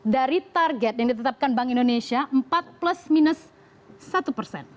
dari target yang ditetapkan bank indonesia empat plus minus satu persen